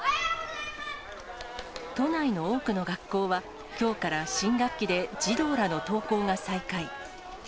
都内の多くの学校は、きょうから新学期で児童らの登校が再開。